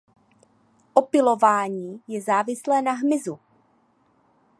Opylování je závislé na hmyzu.